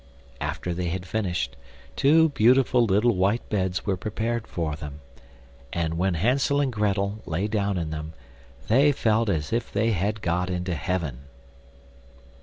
After they had finished, two beautiful little white beds were prepared for them, and when Hansel and Grettel lay down in them they felt as if they had got into heaven.